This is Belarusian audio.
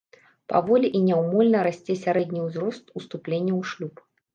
Паволі і няўмольна расце сярэдні ўзрост уступлення ў шлюб.